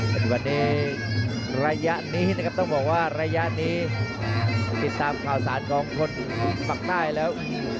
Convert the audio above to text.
ซึ่งวันนี้ระยะนี้นะครับต้องบอกว่าระยะนี้ติดตามข่าวสารของคนปากใต้แล้ว